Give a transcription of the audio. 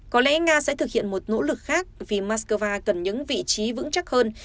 có lẽ nga sẽ thực hiện một nỗ lực khác vì moscow cần những vị trí vững chắc hơn